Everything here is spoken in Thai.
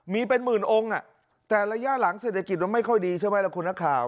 มีเป็นหมื่นองค์แต่ระยะหลังเศรษฐกิจมันไม่ค่อยดีใช่ไหมล่ะคุณนักข่าว